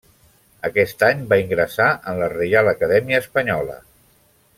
Aquest any va ingressar en la Reial Acadèmia Espanyola.